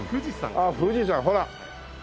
あっ富士山ほら。